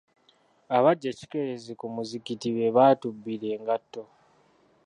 Abajja ekikeerezi ku muzikiti be batubbira engatto